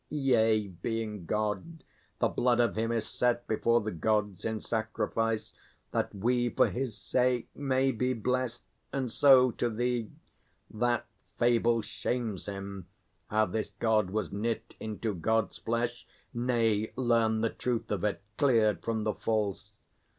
Yea, being God, the blood of him is set Before the Gods in sacrifice, that we For his sake may be blest. And so, to thee, That fable shames him, how this God was knit Into God's flesh? Nay, learn the truth of it, Cleared from the false.